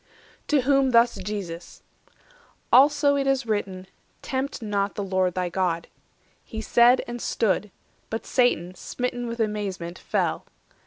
'" To whom thus Jesus: "Also it is written, 560 'Tempt not the Lord thy God.'" He said, and stood; But Satan, smitten with amazement, fell.